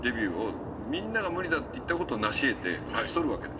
みんなが無理だって言ったこと成し得て勝ち取るわけですよ。